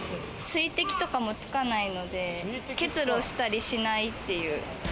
水滴とかもつかないので、結露したりしない。